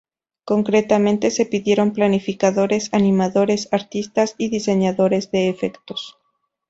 Concretamente se pidieron planificadores, animadores, artistas y diseñadores de efectos.